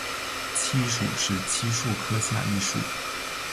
漆属是漆树科下一属。